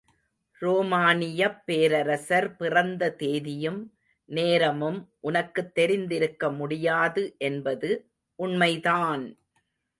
ரோமானியப் பேரரசர் பிறந்த தேதியும் நேரமும் உனக்குத் தெரிந்திருக்க முடியாது என்பது உண்மைதான்!